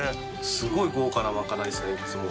すごい豪華なまかないですねいつも。